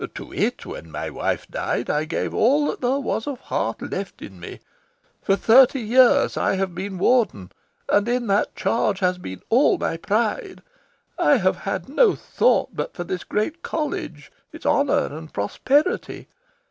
To it, when my wife died, I gave all that there was of heart left in me. For thirty years I have been Warden; and in that charge has been all my pride. I have had no thought but for this great College, its honour and prosperity.